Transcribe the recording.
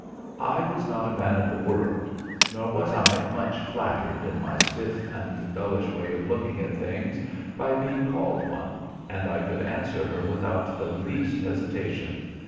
I was not a man of the world, nor was I much flattered in my stiff and dullish way of looking at things by being called one; and I could answer her without the least hesitation.